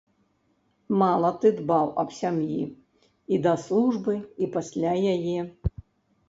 Мала ты дбаў аб сям'і і да службы і пасля яе.